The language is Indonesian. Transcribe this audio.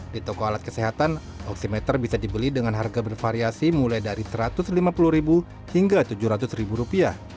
di toko alat kesehatan oksimeter bisa dibeli dengan harga bervariasi mulai dari rp satu ratus lima puluh hingga rp tujuh ratus